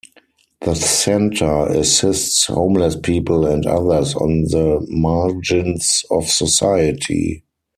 The centre assists homeless people and others on the margins of society.